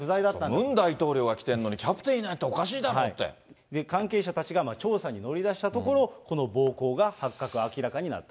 ムン大統領が来てるのに、キャプテンいないのっておかしいだ関係者たちが調査に乗り出したところ、この暴行が発覚、明らかになったと。